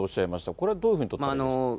これはどういうふうに取ったらいいですか。